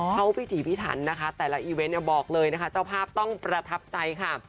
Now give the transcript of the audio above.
พิถีพิถันนะคะแต่ละอีเวนต์เนี่ยบอกเลยนะคะเจ้าภาพต้องประทับใจค่ะ